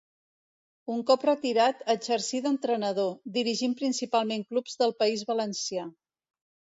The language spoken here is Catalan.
Un cop retirat exercí d'entrenador, dirigint principalment clubs del País Valencià.